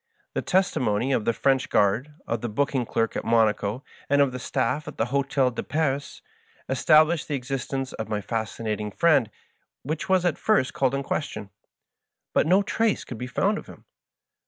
The testimony of the French guard, of the booking clerk at Monaco, and of the stafi of the Hdtel de Paris, established 'the exist ence of my Fascinating Friend, which was at first called in question ; but no trace could be found of him.